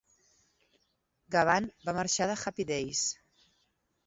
Gavan va marxar de "Happy Days".